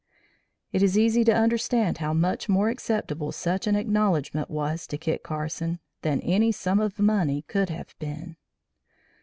It is easy to understand how much more acceptable such an acknowledgement was to Kit Carson than any sum of money could have been.